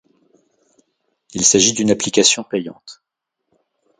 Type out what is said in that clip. Il s'agit d'une application payante.